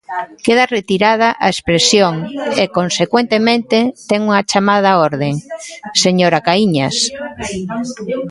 Queda retirada a expresión e, consecuentemente, ten unha chamada á orde, señora Caíñas.